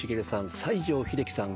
西城秀樹さん